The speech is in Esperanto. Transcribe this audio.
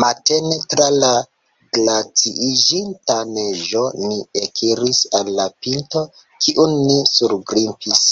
Matene tra la glaciiĝinta neĝo ni ekiris al la pinto, kiun ni surgrimpis.